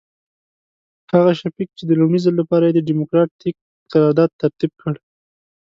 هغه شفیق چې د لومړي ځل لپاره یې ډیموکراتیک قرارداد ترتیب کړ.